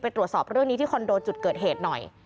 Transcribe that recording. ตรวจสอบเรื่องนี้ที่คอนโดจุดเกิดเหตุหน่อย